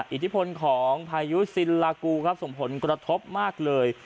อิทธิพลของพายุซินลากูครับส่งผลกระทบมากเลย